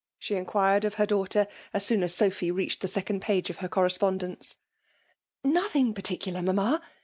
— She inquired of her daughtCT, as soon as Sophy reached the second page of her correspondence. " Nothing particular, mamma!"